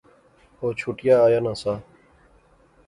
او چھٹیا آیا ناں سا